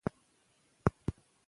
د دولت له پاره سیاسي سطحه اړینه ده.